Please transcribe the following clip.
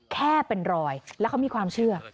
แค่เป็นรอยแล้วเขามีความเชื่อ